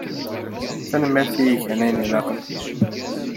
Tanemirt i igan ayen ilaqen.